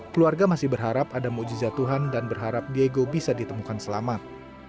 keluarga masih berharap ada mujizat tuhan dan berharap diego bisa ditemukan selamat